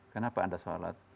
kenapa anda salat